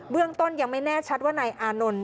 เรื่องต้นยังไม่แน่ชัดว่านายอานนท์